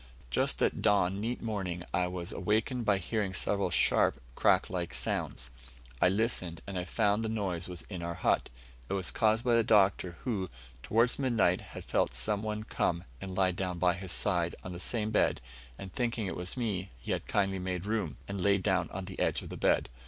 Just at dawn neat morning I was awakened by hearing several sharp, crack like sounds. I listened, and I found the noise was in our hut. It was caused by the Doctor, who, towards midnight, had felt some one come and lie down by his side on the same bed, and, thinking it was me, he had kindly made room, and laid down on the edge of the bed.